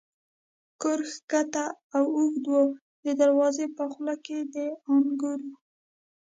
کور کښته او اوږد و، د دروازې په خوله کې د انګورو.